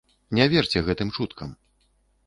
Не верце гэтым чуткам.